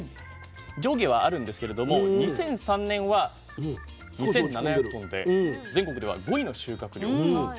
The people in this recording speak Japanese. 上下はあるんですけれども２００３年は２，７００トンで全国では５位の収穫量でした。